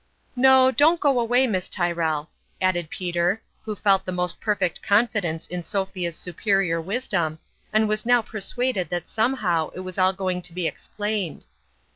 " No ; don't go away, Miss Tyrrell," added Peter, who felt the most perfect confidence in Interest. 169 Sophia's superior wisdom, and was now per suaded that somehow it was all going to be ex plained.